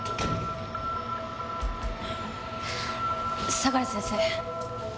相良先生